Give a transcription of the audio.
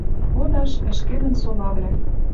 Кодаш, ӹшкӹмӹн солавлӓм